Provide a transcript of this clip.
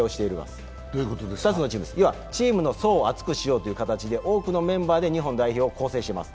チームの層を厚くしようという形で、多くのメンバーで日本代表を構成しています。